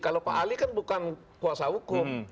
kalau pak ali kan bukan kuasa hukum